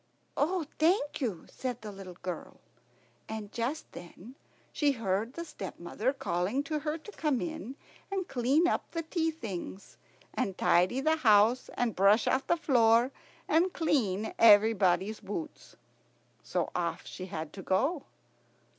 "Oh, thank you," said the little girl; and just then she heard the stepmother calling to her to come in and clean up the tea things, and tidy the house, and brush out the floor, and clean everybody's boots. So off she had to go.